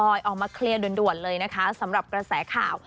กระแยนกับบอยออกมาเคลียร์ด่วนเลยนะคะสำหรับกระแสข่าว